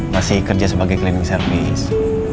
masih kerja sebagai cleaning service